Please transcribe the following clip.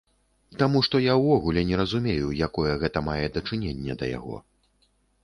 Таму што я ўвогуле не разумею, якое гэта мае дачыненне да яго.